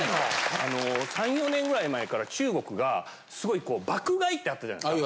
あの３４年ぐらい前から中国がすごい爆買いってあったじゃないですか。